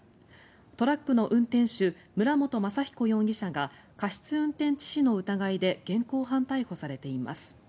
トラックの運転手村元雅彦容疑者が過失運転致死の疑いで現行犯逮捕されています。